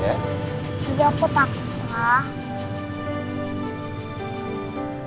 jadi aku takut ma